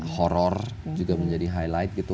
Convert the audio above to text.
horror juga menjadi highlight gitu